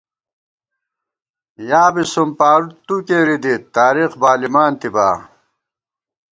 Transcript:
یا بی سُمپاتُو کېری دِت ، تارېخ بالِمانتِبا